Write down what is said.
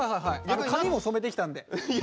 髪も染めてきたんで。